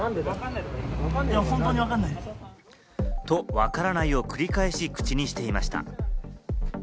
「わからない」を繰り返し口にしていました。